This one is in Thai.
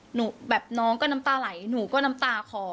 แบบน้องก็น้ำตาไหลหนูก็น้ำตาคอ